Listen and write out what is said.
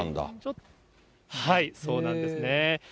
そうなんですね。